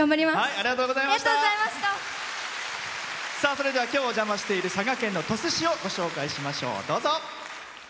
それでは今日、お邪魔している佐賀県鳥栖市をご紹介しましょう。